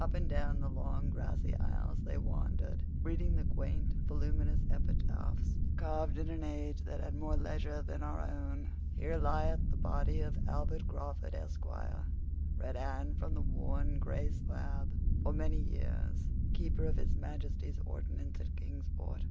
Up and down the long grassy aisles they wandered, reading the quaint, voluminous epitaphs, carved in an age that had more leisure than our own. "'Here lieth the body of Albert Crawford, Esq.,'" read Anne from a worn, gray slab, "'for many years Keeper of His Majesty's Ordnance at Kingsport.